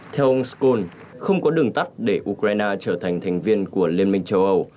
theo ông scon không có đường tắt để ukraine trở thành thành viên của liên minh châu âu